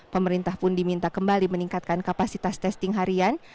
pemerintah pun diminta kembali meningkatkan kapasitas testing harian